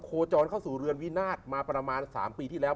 โคจรเข้าสู่เรือนวินาศมาประมาณ๓ปีที่แล้ว